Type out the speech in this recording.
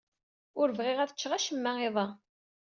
Ur bɣiɣ ad cceɣ acemma iḍ-a.